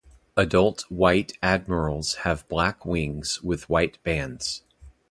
Adult white admirals have black wings with white bands.